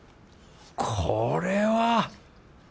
これは！